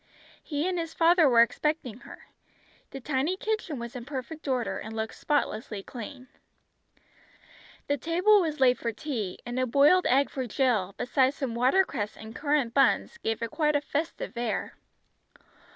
He and his father were expecting her. The tiny kitchen was in perfect order, and looked spotlessly clean. The table was laid for tea; and a boiled egg for Jill, besides some watercress and currant buns, gave it quite a festive air.